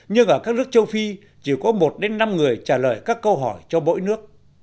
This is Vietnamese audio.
nhưng ở các nước châu phi chỉ có một đến năm người trả lời các câu hỏi cho mỗi nước